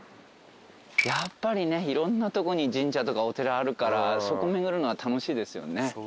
やっぱりいろんなとこに神社とかお寺あるからそこ巡るのは楽しいですよね。